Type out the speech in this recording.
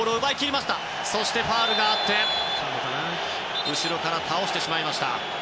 そしてファウルがあって後ろから倒してしまいました。